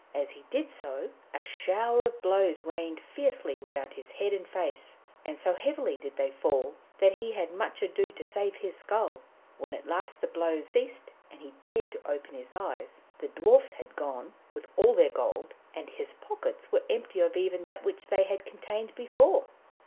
As he did so, a shower of blows rained fiercely round his head and face, and so heavily did they fall that he had much ado to save his skull. When at last the blows ceased, and he dared to open his eyes, the Dwarfs had gone, with all their gold, and his pockets were empty of even that which they had contained before."